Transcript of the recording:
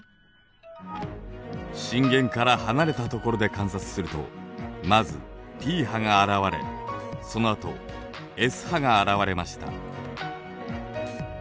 震源から離れた所で観察するとまずＰ波が現れそのあとＳ波が現れました。